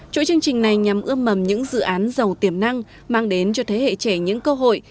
chỗ chương trình này nhằm ươm mầm những dự án giàu tiềm năng mang đến cho thế hệ trẻ những cơ hội